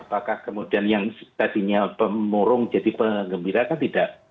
apakah kemudian yang tadinya pemurung jadi pengembira atau tidak